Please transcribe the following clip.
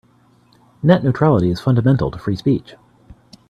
Net neutrality is fundamental to free speech.